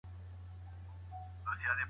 ماشومانو ته د نس ناستي په وخت څه ورکول کیږي؟